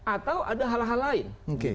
atau ada hal hal lain